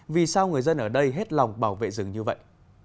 vì sao người dân ở đây hết lòng bảo vệ rừng như vậy